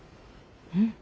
うん。